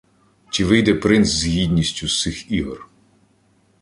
Чи вийде принц з гідністю з цих ігор?